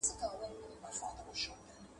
د ملک د مخه مه تېرېږه، د غاتري تر شا.